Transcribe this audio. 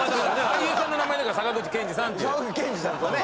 俳優さんの名前だから坂口憲二さんっていう。